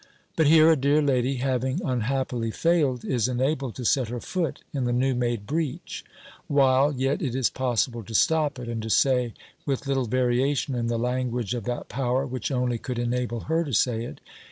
"But here, a dear lady, having unhappily failed, is enabled to set her foot in the new made breach, while yet it is possible to stop it, and to say, with little variation in the language of that power, which only could enable her to say it.